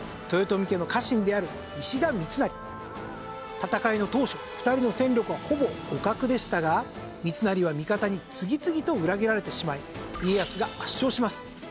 戦いの当初２人の戦力はほぼ互角でしたが三成は味方に次々と裏切られてしまい家康が圧勝します。